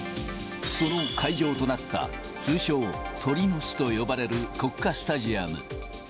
その会場となった通称、鳥の巣と呼ばれる国家スタジアム。